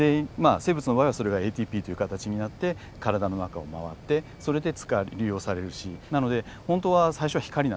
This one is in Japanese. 生物の場合はそれがＡＴＰという形になって体の中を回ってそれで使う利用されるしなので本当は最初は光なんですね